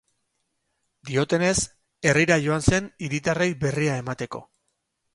Diotenez, herrira joan zen hiritarrei berria emateko.